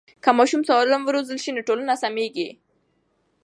که ماشومان سالم وروزل سي نو ټولنه سمیږي.